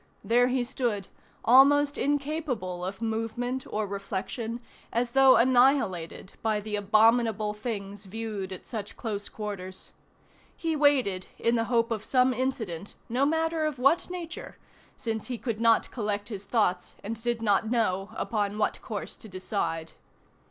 There he stood, almost incapable of movement or reflection, as though annihilated by the abominable things viewed at such close quarters. He waited, in the hope of some incident, no matter of what nature, since he could not collect his thoughts and did not know upon what course to decide.